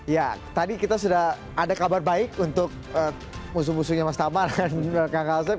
ya tadi kita sudah ada kabar baik untuk musuh musuhnya mas tamar dan kang asep